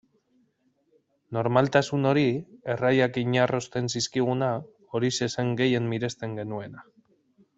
Normaltasun hori, erraiak inarrosten zizkiguna, horixe zen gehien miresten genuena.